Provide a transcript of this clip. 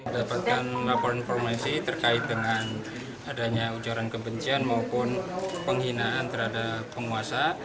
dapatkan laporan informasi terkait dengan adanya ujaran kebencian maupun penghinaan terhadap penguasa